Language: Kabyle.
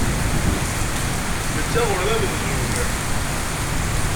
Netta ur d amenzug.